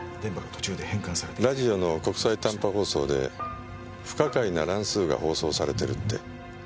ラジオの国際短波放送で不可解な乱数が放送されてるって。